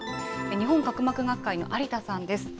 日本角膜学会の有田さんです。